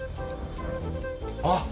あっ。